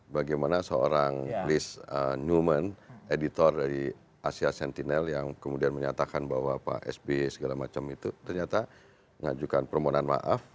bagaimana seorang list newman editor dari asia sentinel yang kemudian menyatakan bahwa pak sby segala macam itu ternyata mengajukan permohonan maaf